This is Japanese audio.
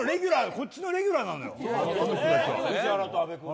こっちのレギュラーなのよ。